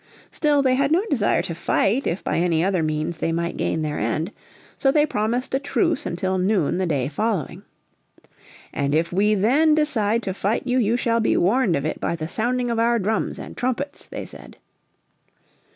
Still they had no desire to fight if by any other means they might gain their end. So they promised a truce until noon the day following. "And if we then decide to fight you, you shall be warned of it by the sounding of our drums and trumpets," they said.